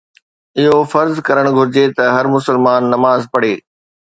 اهو فرض ڪرڻ گهرجي ته هر مسلمان نماز پڙهي.